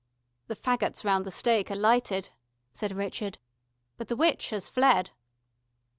"The faggots round the stake are lighted," said Richard. "But the witch has fled."